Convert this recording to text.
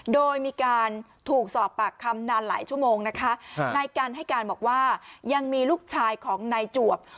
โดยมีการถูกสอบปากคำนานหลายชั่วโมงนะคะนายกันให้การบอกว่ายังมีลูกชายของนายจวบ